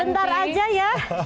sebentar aja ya